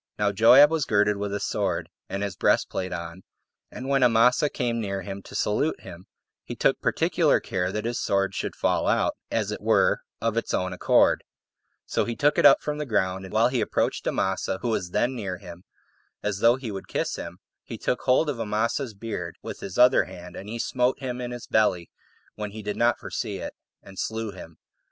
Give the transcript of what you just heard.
Now Joab was girded with a sword, and his breastplate on; and when Amasa came near him to salute him, he took particular care that his sword should fall out, as it were, of its own accord: so he took it up from the ground, and while he approached Amasa, who was then near him, as though he would kiss him, he took hold of Amasa's beard with his other hand, and he smote him in his belly when he did not foresee it, and slew him.